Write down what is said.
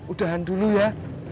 udahan dulu ya